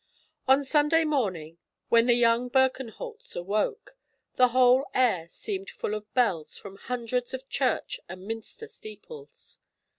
On Sunday morning, when the young Birkenholts awoke, the whole air seemed full of bells from hundreds of Church and Minster steeples.